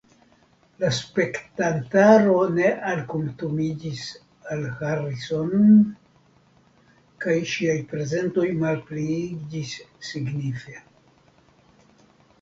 La spektantaro ne alkutimiĝis al Harrison kaj ŝiaj prezentoj malpliiĝis signife.